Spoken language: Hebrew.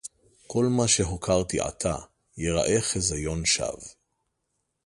כָּל מַה שֶּׁהוֹקַרְתִּי עַתָּה יֵרָאֶה חֶזְיוֹן-שָׁוְא